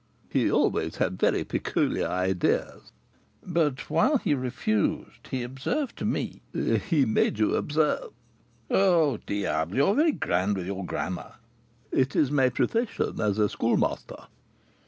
"He always had very peculiar ideas." "But whilst he refused he observed to me " "He made you observe " "Oh, diable! You are very grand with your grammar." "It is my profession, as a schoolmaster."